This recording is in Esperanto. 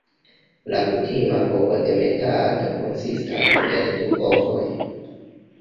La kutima ovodemetado konsistas el du ovoj.